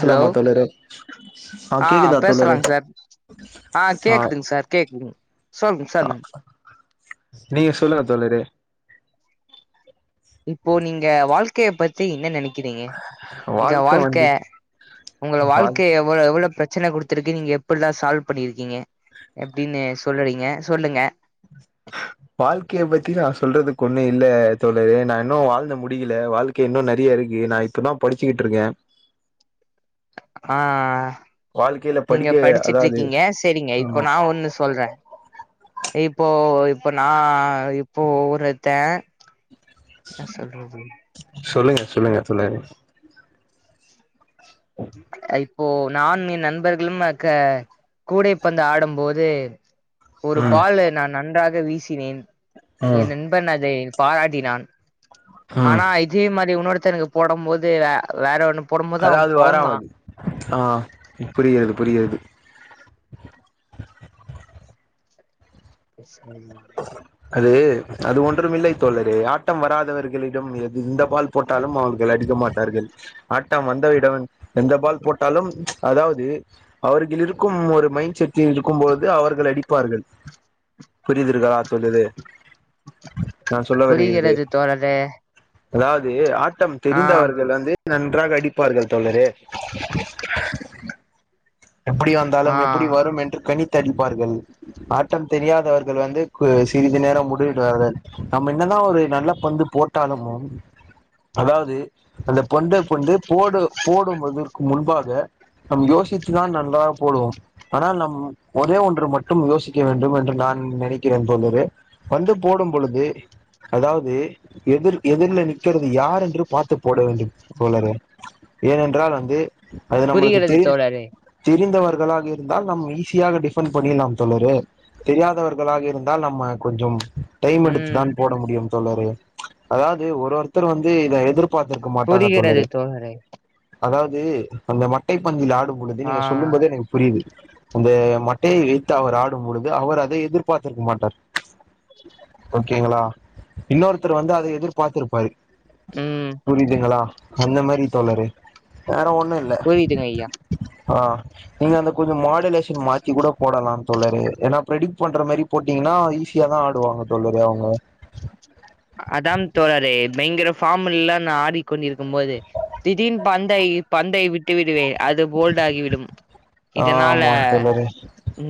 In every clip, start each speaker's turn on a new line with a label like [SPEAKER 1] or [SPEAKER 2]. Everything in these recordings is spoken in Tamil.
[SPEAKER 1] ஹலோ
[SPEAKER 2] தோழரே ஆ கேக்குதா தோழரே
[SPEAKER 1] பேசலாங்க சார் ஆ கேக்குதுங்க சார் கேக்குதுங் சொல்லுங்க
[SPEAKER 2] ஆ
[SPEAKER 1] சொல்லுங்க
[SPEAKER 2] நீங்க சொல்லுங்க தோழரே
[SPEAKER 1] இப்போ நீங்க வாழ்க்கய பத்தி என்ன நெனக் கிரிங்க இங்க வாழ்க்க உங்கள
[SPEAKER 2] வாழ்
[SPEAKER 1] வாழ்க்க எவ்வள எவ்வள பிரச்ச ச்சன குடுத்துருக்கு நீங்க எப்படிலா சால்வ் பண்ணிருக்கீங்க எப்படின்னு சொல்லறீங்க சொல்லுங்க
[SPEAKER 2] ஆ வாழ்க்கையை பத்தி நா சொல்றதுக்கு ஒண்ணு இல்ல தோழரே நா இன்னு வாழ்ந்து முடிக்கல வாழ்க்கை இன்னு நெறய இருக் கு நா இப்பதா படிச்சுக்கிட்டு இருக்க
[SPEAKER 1] ஆ நீங்க
[SPEAKER 2] படிக்க
[SPEAKER 1] படிச்சுட்டு
[SPEAKER 2] அதாவது
[SPEAKER 1] இருக்கீங்க சரிங்க இப்ப
[SPEAKER 2] ஆமா
[SPEAKER 1] நா ஒண்ணு சொல்ற இப்போ இப்போ நா இப்போ ஒருத்த ன்ன சொல்றது
[SPEAKER 2] சொல்லுங்க சொல்லுங்க சொல்லுங்க
[SPEAKER 1] அய் இப்போ நான் என் நண்பர்களும் அக்க கூடைப்பந்து ஆடும்போது ஒரு
[SPEAKER 2] ம்
[SPEAKER 1] பால நான் நன்றாக வீசினேன்
[SPEAKER 2] ம்
[SPEAKER 1] என் நண்பன் அதை பாராட்டினான்
[SPEAKER 2] ம்
[SPEAKER 1] ஆனா இதே மாரி உன்னொருத்தனுக்கு போடம் போது வேற ஒண்ணு போடும் போது அவ
[SPEAKER 2] அதாவது வராமது ஆ புரிகிறது புரிகிறது
[SPEAKER 1] [unintelligible]
[SPEAKER 2] அது அது ஒன்றும் இல்லை தோழரே ஆட்டம் வராதவர்களிடம் எது இந்த பால் போட்டாலும் அவர் அடிக்க மாட்டார்கள் ஆட வந்தவிடம் எந்த பால் போட்டாலும் ச் அதாவது அவர்கள் இருக்கும் ஒரு மைண்ட் செடில் இருக்கும்போது அவர்கள் அடிப்பார்கள் புரிது சொல்லுது நான் சொல்ல வருகிறது
[SPEAKER 1] புரிகிறது தோழரே
[SPEAKER 2] அதாவது ஆட்டம்
[SPEAKER 1] ஆ
[SPEAKER 2] தெரிந்தவர்கள் வந்து நன்றாக அடிப்பார்கள் தோழரே எப்படி
[SPEAKER 1] ஆ
[SPEAKER 2] வந்தாலும் எப்படி வரும் என்று கணித்து அடிப்பார்கள் ஆட்டம் தெரியாதவர்கள் வந்து சிறிது நேரம் முடிடுவார்கள் நம்ம என்னதா ஒரு நல்ல பந்து போட்டாலமும் அதாவது அந்த பந்த கொண்டு போடு போடும்வதற்கு முன்பாக நம் யோசிச்சுதான் நன்றாக போடுவோம் ஆனால் நம் ஒரே ஒன்று மட்டும் யோசிக்க வேண்டும் என்று நான் நினைக் க்கிற தோழரே பந்து போடும் பொழுது அதாவது எதிர் எதிர்ல நிக்கிறது யார் என்று பார்த்து போட வேண்டும் தோழரே ஏனென்றால் வந்து அது நம்மளுக்கு
[SPEAKER 1] புரிகிறது
[SPEAKER 2] தெரிந்
[SPEAKER 1] தோழரே
[SPEAKER 2] தெரிந்தவன் களாக இருந்தால் நம் ஈஸியாக டிஃபண்ட் பண்ணிலாம் தோழரே தெரியாதவர் களாக இருந்தால் நம்ம கொஞ்சம் டைம் எடுத்து
[SPEAKER 1] ம்
[SPEAKER 2] தான் போட முடியும் தோழரே அதாவது ஒரு ஒருத்தர் வந்து இதை எதிர்ப் பாத்துருக்க மாட்டாங்க தோழரே அதாவது அந்த மட்டை பந்தில் ஆடும் பொழுது
[SPEAKER 1] ஆ
[SPEAKER 2] நீங்க சொல்லும்போது எனக்கு புரியுது அந்த மட்டையை வைத்து அவர் ஆடும் பொழுது அவர் அதை எதிர்பார்த்திருக்க மாட்டார் ச் ஓகேங்களா இன்னொருத்தர் வந்து அதை எதிர்பார்த்திருப்பாரு
[SPEAKER 1] ம்
[SPEAKER 2] புரிதுங்களா அந்த மாரி தோழரே வேற ஒண் ணுல்ல
[SPEAKER 1] புரியுதுங்க ஐயா
[SPEAKER 2] ஆ நீங்க அந்த கொஞ்சோ மாடலேஷன் மாத்தி கூட போடலாம் தோழரே ஏனா ப்ரெடிக் பண்ற மாரி போட்டீங்கன்னா ஈஸியா தா ஆட்
[SPEAKER 1] அதான் தோழரே பயங்கர ஃபாமில்ல நா ஆடிக்கொண்டிருக்கும் போது திடீன் பந்தை பந்தைய விட்டு விடுவேன் அது போல்ட் ஆகிவிடும் இதனால
[SPEAKER 2] ஆமா தோழரே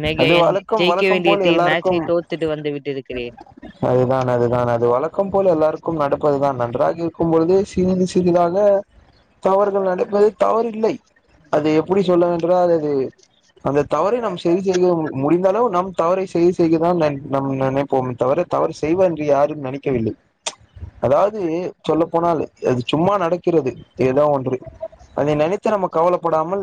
[SPEAKER 1] மிக
[SPEAKER 2] அது
[SPEAKER 1] என்
[SPEAKER 2] வழக்கம்
[SPEAKER 1] ஜெயிக்க
[SPEAKER 2] வழக்கம்
[SPEAKER 1] வேண்டிய
[SPEAKER 2] போல
[SPEAKER 1] டீம் மேட்சை
[SPEAKER 2] எல்லாருக்கும்
[SPEAKER 1] தோத்துட்டு வந்து விட்டிருக்கிறேன்
[SPEAKER 2] அதுதான் அதுதான் அது வழக்கம் போல் எல்லாருக் க்கும் நடப்பதுதான் நன்றாக இருக்கும் பொழுதுதே சிறிது சிறிதாக தவறுகள் நடப்பது தவறு இல்லை அது எப்படி சொல்ல என்றால் அது அந்த தவறை நம் சரி செய்கிறோம் முடிந்தளவு நம் தவறை சரி செய் தான் நம் நினைப்போம் தவிர தவறு செய்வ என்று யாரும் நினைக்கவில்லை அதாவது சொல்ல போனால் அது சும்மா நடக்கிறது எதா ஒன்று அதை நனைத்து ச்ச நம்ம கவலப்படாமல்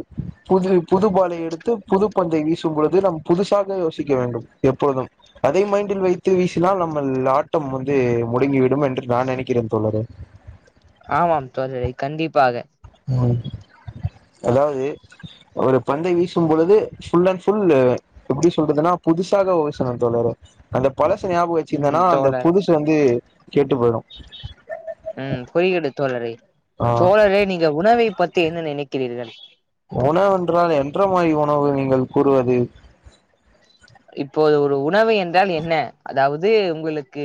[SPEAKER 2] புது புதுபாலை எடுத்து புது பந்தை வீசும் பொழுது நம் புதுசாக யோசிக்க வேண்டும் எப்பொழுதும் அதே மா ட்டில் வைத்து வீசினால் நம்மல் ஆட்டம் வந்து முடங்கி விடும் என்று நா நெனைக்கிறேன் தோழரே
[SPEAKER 1] ஆமாம் தோழரே கண்டிப்பாக
[SPEAKER 2] ம் அதாவது ஒரு பந்தை வீசும்பொழுது ஃபுல் அண்ட் ஃபுல்லு எப்படி சொல்றதுன்னா புதுசாக உக சொன்ன தோழரே அந்த பழச ஞாபக
[SPEAKER 1] ம்
[SPEAKER 2] வெச்சிந்தன்னா அந்த
[SPEAKER 1] தோழர்
[SPEAKER 2] புதுசு வந்து கெட்டு போயிடு
[SPEAKER 1] ம் பொறிகடு தோழரே
[SPEAKER 2] ஆ
[SPEAKER 1] தோழரே நீங்க உணவை பத்தி என்ன நினைக்கிறீர்கள்
[SPEAKER 2] உணவென்றால் என்ற மாரி உணவு நீங்கள் கூறுவது
[SPEAKER 1] இப்போது ஒரு உணவு என்றால் என்ன அதாவது உங்களுக்கு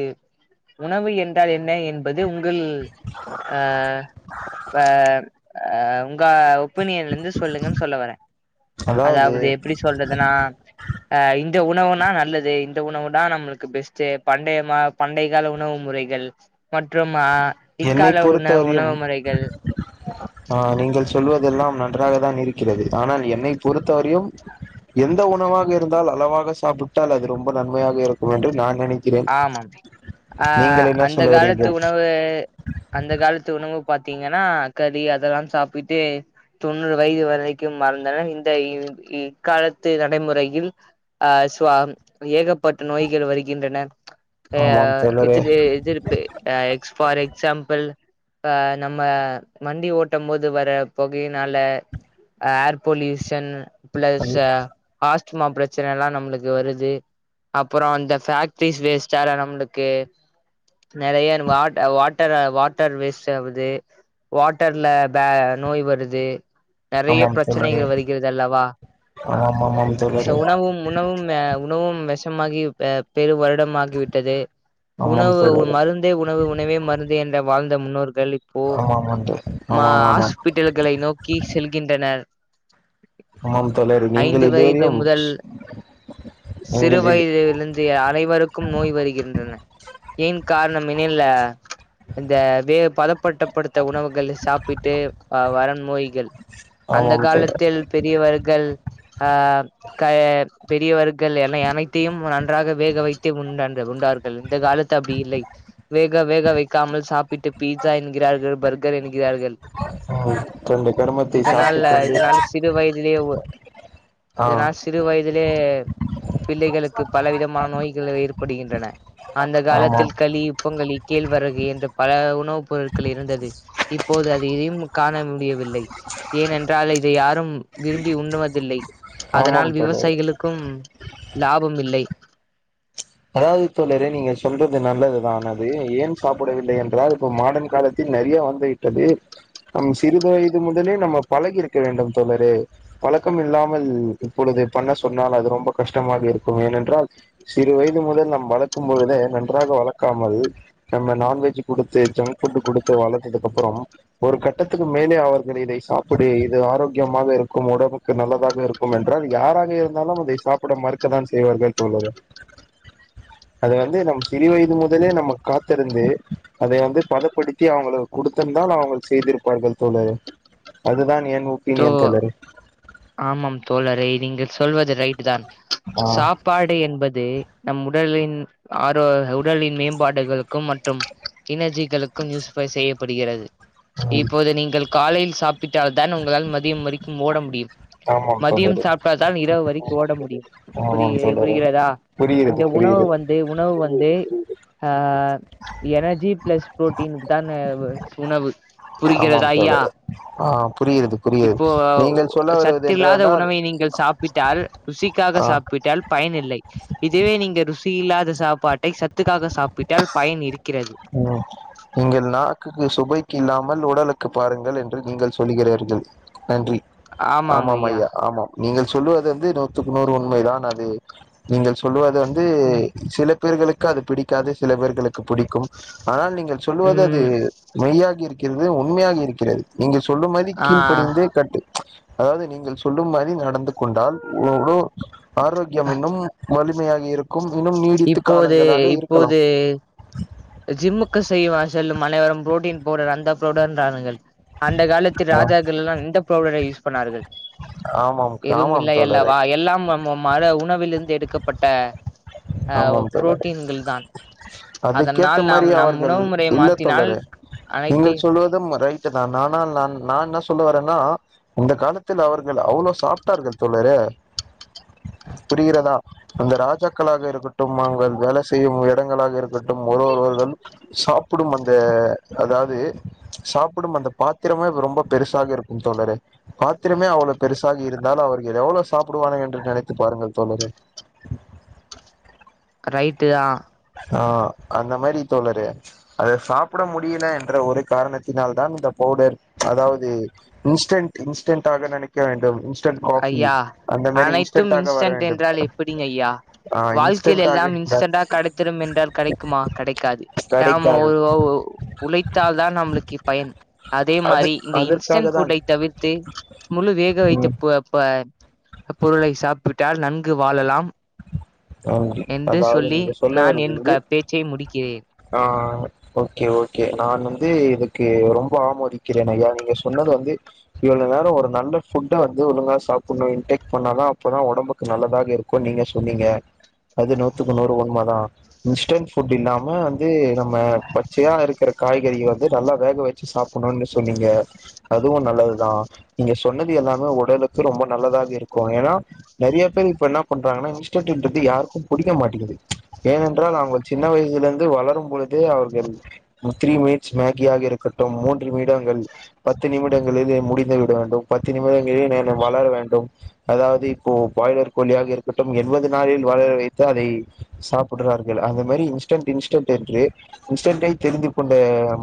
[SPEAKER 1] உணவு என்றால் என்ன என்ப து உங்கள் அ வ அ உங்க ஒப்பினியன்ல இருந்து சொல்லுங்கன் சொல்ல வரே அதாவது எப்படி சொல்றதுன்னா அ இந் த உணவுனா நல்லது இந்த உணவு நா நம்மளுக்கு பெஸ்ட்டு பண்டைய மா பண்டை கால உணவு முறைகள் மற்றும் அ
[SPEAKER 2] என்னை
[SPEAKER 1] இக்கால உண
[SPEAKER 2] பொறுத்தவரையும்
[SPEAKER 1] உணவு முறைகள்
[SPEAKER 2] ஆ நீங்கள் சொல்வதெல்லாம் நன்றாக தான் இருக்கிறது அனால் என்னை பொறுத்தவரையும் எந்த உணவாக இருந்தால் அளவாக சாப்பிட்டால் அது ரொம்ப நன்மையாக இருக்கும் என்று நான் நினைக்கிறேன்
[SPEAKER 1] ஆமம் ஆ
[SPEAKER 2] நீங்கள் என்ன
[SPEAKER 1] அந்த காலத்து
[SPEAKER 2] சொல்லுகிறீர்கள்
[SPEAKER 1] உணவு அந்த காலத்து உண வு பாத்திங்கன்னா கலி அதெல்லாம் சாப்பிட்டு தொண்ணூறு வய்து வரைக்கும் மறந்தனர் இந்த இவ் இ க்காலத்து நடைமுறையில் அ ஸ்வாம் ஏகப்பட்ட நோய்கள் வருகின்றன அயா
[SPEAKER 2] ஆமாம் தோழரே
[SPEAKER 1] இத்துல்லு இதுர்பாபு அ எக்ஸ் ஃபார் எக்ஸாம்பல் ஆ நம்ம வண்டி ஓட்டம் போது வர பொகைய்னால அ ஏர் பொல்யூஷன் ப்ளஸ் ஸா ஆஸ்துமா ப்ரச்சன எல்லா நம்ளுக்கு வருது அப்பறோ அந்த ஃபாக் ஃபீஸ் வேஸ்ட்டார நம்ளுக்கு நெறையன் வாட் அ வாட்டர வாட்டர் வேஸ்ட் ஆவுது வாட்டர்ல பே நோய் வருது நெறைய
[SPEAKER 2] ஆமாம் தோழரே
[SPEAKER 1] ப்ரச்சனைகள் வருகிற்தல்லவா
[SPEAKER 2] ஆமாம் ஆமாம்
[SPEAKER 1] ஸ
[SPEAKER 2] தோழரே
[SPEAKER 1] உணவும் உணவும் அ உணவும் வெஷமாகி அ பெரு வர் டம் ஆகிவிட்டதே
[SPEAKER 2] ஆமாம்
[SPEAKER 1] உணவு
[SPEAKER 2] தோழரே
[SPEAKER 1] மருந்தே உணவு உணவே மருந்து என்ட வாழ்ந்த முன்னோருக் கள் இப்போ
[SPEAKER 2] ஆமாம் ஆண்டு
[SPEAKER 1] மா
[SPEAKER 2] ஆமாம் ஆமாம்
[SPEAKER 1] ஹாஸ்பிட்டல்களை நோக்கி செல்கின்றனர்
[SPEAKER 2] ஆமாம் தோழர்
[SPEAKER 1] ஐந்து
[SPEAKER 2] நீங்கள்
[SPEAKER 1] வயது
[SPEAKER 2] இதுவரையும்
[SPEAKER 1] முதல் சிறு
[SPEAKER 2] நீங்கள் இது
[SPEAKER 1] வயதிலுந்த் அனைவருக்கும் நோய் வருகின்றன ஏன் காரணம் எனில் இந்த வே பத ப படுத்த உணவுகள் சாப்பிட்டு அ வர நோய்கள் அந்த
[SPEAKER 2] ஆமாம் தோழர்
[SPEAKER 1] காலத்தில் பெரியவர்கள் அ கய பெரியவர்கள் என அனைத்தையும் நன் வேக வைத்து உண் உண்டார்கள் இந்த காலத்து அப்டி இல்லை வேக வேக வைக்காமல் சாப்பிட்டு பீட் சா என்கிறார்கள் பர்கர் என்கிறார்கள்
[SPEAKER 2] ம் கொண்டு கருமத்தை
[SPEAKER 1] இதனால்
[SPEAKER 2] சாப்பிட்டுக் கொண்டு
[SPEAKER 1] இதனால் சிறு வயதிலயே ஒ
[SPEAKER 2] ஆ
[SPEAKER 1] இதனால் சிறு வயதுலே பிள்ளைகளுக்கு பலவிதமான நோய்கள் ஏற்படுகின்றன அந்த
[SPEAKER 2] ஆமாம்
[SPEAKER 1] காலத்தில் களி பொங்கல் இ கேழ்விறகு என்ற பல உணவுப் பொருட்கள் இருந்தது இப்போது அதை எதையும் காண முடியவில்லை ஏனென்றால் இதை யாரும் விரும்பி உண்ணுவதில்லை அதனால்
[SPEAKER 2] ஆமாம் தோழரே
[SPEAKER 1] விவசாயிகளுக்கும் லாபம் இல்லை
[SPEAKER 2] அதாவது தோழரே நீங்க சொல்றது நல்லதுதா அது ஏன் சாப்பிடவில்லை என்றால் இப்ப மாடன் காலத்தில் நெறைய வந்துவிட்டது நம் சிறிது வயது முதலே நம்ம பழகி இருக்க வேண்டும் தோழரே பழக்கம் இல்லாமல் இப்பொழுது பண்ண சொன்னால் அது ரொம்ப கஷ்டமாக இருக்கும் ஏனென்றால் சி சிறு வயது முதல் நம் வளர்க்கும்பொழுதே நன்றாக வளர்க்காமல் நம்ம நான்வெஜ் குடுத்து ஜங்க்ட் ஃபுட் குடுத்து வளத்ததுக்கு அப்புறம் ஒரு கட்டத்துக்கு மேலே அவர்கள் இதை சாப்பிடு இது ஆரோக்கியமாக இருக்கும் உடம்புக்கு நல்லதாக இருக்கும் என்றால் யாராக இருந்தாலும் அதை சாப்பிட மறுக்கத்தான் செய்வர்கள் தோழரே அதை வந்து நம் சிறு வயது முதலே நம்ம காத்திருந்து அதை வந்து பதப்படுத்தி அவங்ளுக்கு குடுத்திருந்தால் அவங்கள் செய்திருப்பார்கள் தோழரே அதுதான் என் ஒப்பீனியன் தோழரே
[SPEAKER 1] [unintelligible] ஆமாம் தோழரே நீங்கள் சொல்வது ரைட்டு தான்
[SPEAKER 2] ஆ
[SPEAKER 1] சாப்பாடு என்பது நம் உடலின் ஆரோ உடலின் மேம்பாடுகளுக்கும் மற்றும் இணர்ஜி உங்ளுக்கும் யூசிபை செய்யப்படுகிறது
[SPEAKER 2] ம்
[SPEAKER 1] இப்போது நீங்கள் காலையில் சாப்பிட்டால்தான் உங்கள் உங்களால் மதியம் வரைக்கும் ஓட முடியும்
[SPEAKER 2] ஆமாம்
[SPEAKER 1] மதியம்
[SPEAKER 2] தோழரே
[SPEAKER 1] சாப்பிட்டால்தான் இரவு வரைக்கு ஓட முடியும் புரி
[SPEAKER 2] ஆமாம் தோழரே
[SPEAKER 1] புரிகிறதா
[SPEAKER 2] புரிகிறது
[SPEAKER 1] இங்க உணவு
[SPEAKER 2] புரிகிறது
[SPEAKER 1] வந்து உணவு வந்து அ எனர்ஜி பிளஸ் பு்ரோட்டீனுக்கு தான உணவு புரிக்கிறதா ஐயா
[SPEAKER 2] அ புரிகிற
[SPEAKER 1] இப்போ சத்து இல்லாத
[SPEAKER 2] என்றால்
[SPEAKER 1] உணவை நீங்கள் சாப்பிட்டால் ருசிக்காக
[SPEAKER 2] ஆ
[SPEAKER 1] சாப்பிட்டால் பயன் பயன் இல்லை இதுவே நீங்க ருசி இல்லாத சாப்பாட்டை சத்துக்காக சாப்பிட்டால் பயன் இருக்
[SPEAKER 2] ம் நீங்கள் நாக்குக்கு சுபைக்கு இல்லா மல் உடலுக்கு பாருங்கள் என்று நீங்கள் சொல்லுகிறீர்கள் நன்றி ஆமாம் ஐயா ஆமாம் நீங்கள் சொல்லுவது வந்து நூத்துக்கு நூறு உண்மைதான் அது நீங்கள் சொல்லுவது வந்து சில பேர்களுக்கு அது பிடிக்காது சில பேர்களுக்கு பிடிக்கும் ஆனால் நீங்கள் சொல்வது அது
[SPEAKER 1] ம்
[SPEAKER 2] மெய்யாகி இருக் க்கிறது உண்மையாக இருக்கிறது நீங்கள் சொல்லும் மாரி
[SPEAKER 1] ஆ
[SPEAKER 2] கீழ்படிந்து கட்டு அதாவது நீங்கள் சொல்லும் மாரி நடந்து கொண்டால் உடல் ஆரோக்கியம் இன்னும் வழு மையாக இருக்
[SPEAKER 1] இப்போது இப்போது ஜிம்மு க்கு செய்யும் செல்லும் அனைவரும் புரோட்டீன் பவ்டர் அந்த பவ்டர்ன்ரான்கள் அந்த காலத்து
[SPEAKER 2] ஆ-
[SPEAKER 1] ராஜாக்கள் எல்லா எந்த பவ்டரை யூஸ் பண்ணார்கள்
[SPEAKER 2] ஆமாம்
[SPEAKER 1] எதுவும்
[SPEAKER 2] ஆமாம்
[SPEAKER 1] இல்லை
[SPEAKER 2] தோழரே
[SPEAKER 1] அல்லவா எல்லாம் நம் மர உணவிலிருந்து எடுக்கப்பட்ட அ
[SPEAKER 2] ஆமாம் தோழரே
[SPEAKER 1] புரோட்டீன்கள் தான்
[SPEAKER 2] அதுக்கேத்த
[SPEAKER 1] அதனால்
[SPEAKER 2] மாரி
[SPEAKER 1] நாம் நம்
[SPEAKER 2] அவர்கள்
[SPEAKER 1] உணவு முறையை
[SPEAKER 2] இல்ல
[SPEAKER 1] மாத்தினால்
[SPEAKER 2] தோழரே நீங்கள்
[SPEAKER 1] அனைத்தையும்
[SPEAKER 2] சொல்லுவதும் ரைட்டு தான் ஆனால் நான் நா என்ன சொல்ல வரேன்னா அந்த காலத்தில் அவர்கள் அவ்ளோ சாப்ட்டார்கள் தோழரே புரிகிறதா அந்த ராஜாக்களாக இருக்கட்டும் அங்கள் வேலை செய்யும் எடங்களாக இருக் ட்டும் ஒருவொருவர்கள் சாப்பிடும் அந்த அதாவ் து சாப்பிடும் அந்த பாத்திரமே ரொம்ப பெருசாக இருக்கும் தோழரே பாத்திரமே அவ்ளோ பெருசா இருந்தாலு அவர்கள் எவ்வளவு சாப்பிடுவான என்று நினைத்து பாருங்கள் தோழரே
[SPEAKER 1] ரைட்டு தா
[SPEAKER 2] அந்த மாரி தோழரே அத சாப்பிட முடியல என்ற ஒரு காரணத்தினால தா இந்த பவுடர் அதாவது இன்ஸ்ட் இன்ஸ்டன்ட் ஆக நினைக்க வேண்டும் இன்ஸ்டன்ட் காஃபி
[SPEAKER 1] ஐயா
[SPEAKER 2] அந்த மாரி
[SPEAKER 1] அனைத்தும்
[SPEAKER 2] இன்ஸ்டன்டாக வர
[SPEAKER 1] இன்ஸ்டன்ட்
[SPEAKER 2] வேண்டும்
[SPEAKER 1] என்றால் எப்படிங்கய்யா
[SPEAKER 2] ஆ
[SPEAKER 1] வாழ்க்கையில எல்லா
[SPEAKER 2] இன்ஸ்டன்டாக
[SPEAKER 1] இன்ஸ்டெண்ட்டா கடக் த்திரம் என்றால் கடைக்குமா கடைக்காது நாம
[SPEAKER 2] கெடைக்காது
[SPEAKER 1] ஒரு உழைத்தால் தான் நம்மளுக்கு பயன் அதே
[SPEAKER 2] அது
[SPEAKER 1] மாரி இந்த
[SPEAKER 2] அதற்காக
[SPEAKER 1] இன்ஸ்டன்ட்
[SPEAKER 2] தான்
[SPEAKER 1] ஃபுட்டை தவிர்த்து முழு வேக வைத்து
[SPEAKER 2] ம்
[SPEAKER 1] ஆ இப்ப பொருளை சாப்பிட்டால் நன்கு வாழலாம்
[SPEAKER 2] நன்றி
[SPEAKER 1] என்று
[SPEAKER 2] அதாவது
[SPEAKER 1] சொல்லி
[SPEAKER 2] நீங்க சொல்ல
[SPEAKER 1] நான்
[SPEAKER 2] வருவது
[SPEAKER 1] என்
[SPEAKER 2] வந்து
[SPEAKER 1] க பேச்சை முடிக்கிறேன்
[SPEAKER 2] ஆ ஓகே ஓகே நான் வந்து இதுக்கு ரொம்ப ஆமதிக்கிறேன் ஐயா நீங்க சொன்னத வந்து இவ்வள நேர ஒரு நல்ல புட்ட வந்து ஒழுங்கா சாப்டனு இன்டேக் பண்ணாலு அப்பதா உடம்புக்கு நல்லது [unintelligible] இருக்கு நீங்க சொன்னீங்க அது நூத்துக்கு நூறு உண்மை தா இன்ஸ்டன்ட் ஃபுட் இல்லாம வந்து நம்ம பச்சையா இருக்கிற காய்கறி வந்து நல்லா வேக வச்சு சாப்பணும்னு சொன்னீங்க அதுவு நல்லதுதா நீங்க சொன்னது எல்லாமே உடலுக்கு ரொம்ப நல்லதாக இருக்கு ஏன்னா நெறைய பேர் இப்ப என்னா பண்றாங்கன்னா இன்ஸ்டண்ட் யாருக்கு குடிக்க மாட்டேங்கிது ஏனென்றால் அவங்க சின்ன வயசிலிருந்து வளரும் பொழுது அவர்கள் த்ரீ மினிட்ஸ் மேகியாக இருக்கட்டு மூன்று நிமிடங்கள் பத்து நிமிடங்களிலே முடித் விட வேண்டும் பத்து நிமிடங்களில் [unintelligible] வளர வேண்டும் அதாவது இப்போ பாய்லர் கோலியாக இருக்கட்டும் எ இருபது நாளில் வளர வைத்து அதை சாப்பிடுறார்கள் அந்த மாரி இன்ஸ்டண்ட் இன்ஸ்டண்ட் என்று இன்ஸ்டண்டை தெரிந்து கொண்ட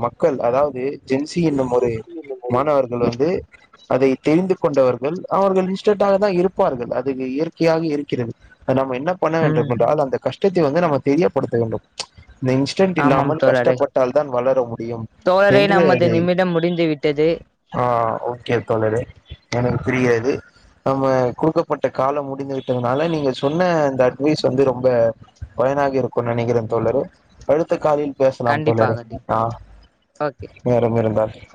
[SPEAKER 2] மக்கள் அதாவது ஜென்சி என்னும் ஒரு மாணவர்கள் வந்து அதை தெரிந்து கொண்டவர்கள் அவர்கள் இன்ஸ்டட்டாக தான் இருப்பார்கள் அது இயற்கையாக இருக்கிறது அ நம்ம என்ன பண்ண
[SPEAKER 1] ம்
[SPEAKER 2] வேண்டும் என்றால் அந்த கஷ்டத்தை வந்து நம்ம தெரியப்படுத்த வேண்டும் இந்த இன்ஸ்டன்ட்
[SPEAKER 1] ஆமாம்
[SPEAKER 2] இல்லாமல்
[SPEAKER 1] தோழரே
[SPEAKER 2] கஷ்டப்பட்டால் தான் வளர முடியும்
[SPEAKER 1] தோழரே
[SPEAKER 2] என்று
[SPEAKER 1] நமது
[SPEAKER 2] அதை
[SPEAKER 1] நிமிடம் முடிந்து விட்டது
[SPEAKER 2] ஆ ஓகே தொழரே ஏ புரியாது நம்ம குடுக்கப்பட்ட காலம் முடிந்து விட்டதுனால நீங்க சொ சொன்ன இந்த அட்வைஸ் வந்து ரொம்ப பயனாக இருக்கும்னு நெனைக்கிறே தோழரே அடுத்த காலில் பேசலாம் கோல
[SPEAKER 1] கண்டிப்பாகது
[SPEAKER 2] ஆ
[SPEAKER 1] ஓகே
[SPEAKER 2] நேரம் இருந்தால்